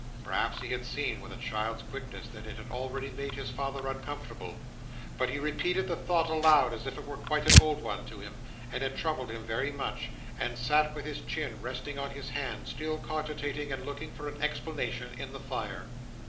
Perhaps he had seen, with a child's quickness, that it had already made his father uncomfortable. But he repeated the thought aloud, as if it were quite an old one to him, and had troubled him very much; and sat with his chin resting on his hand, still cogitating and looking for an explanation in the fire.